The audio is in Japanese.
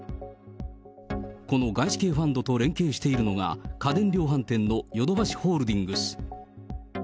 この外資系ファンドと連携しているのが、家電量販店のヨドバシホールディングス。